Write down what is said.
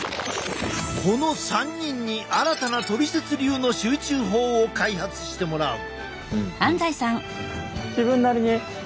この３人に新たなトリセツ流の集中法を開発してもらう！